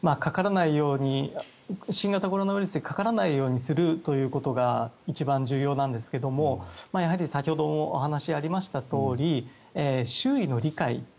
新型コロナウイルスにかからないようにするということが一番重要なんですけどやはり先ほどもお話がありましたように周囲の理解